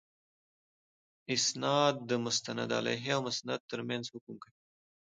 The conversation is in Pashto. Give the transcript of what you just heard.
اِسناد د مسندالیه او مسند تر منځ حکم کوي.